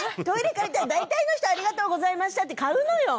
借りたら大体の人「ありがとうございました」って買うのよ。